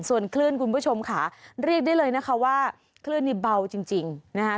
ส่วนคลื่นคุณผู้ชมค่ะเรียกได้เลยนะคะว่าคลื่นนี่เบาจริงนะคะ